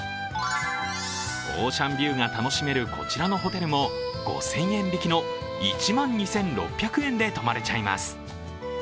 オーシャンビューが楽しめるこちらのホテルも５０００円引きの１万２６００円で泊まれちゃいます。